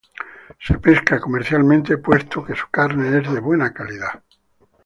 Se pesca comercialmente puesto que su carne es de buena calidad.